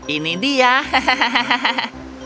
ini dia hahaha